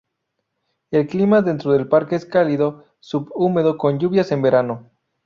El clima dentro del parque es cálido subhúmedo con lluvias en verano.